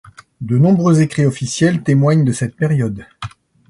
De nombreux écrits officiels témoignent de cette période.